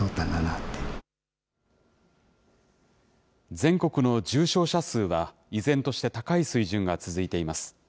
全国の重症者数は、依然として高い水準が続いています。